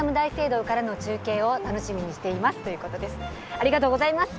ありがとうございます。